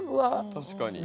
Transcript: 確かに。